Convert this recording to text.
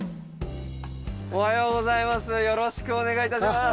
おはようございます。